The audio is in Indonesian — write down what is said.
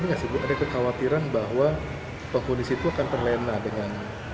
ada kekhawatiran bahwa penghuni situ akan terlena dengan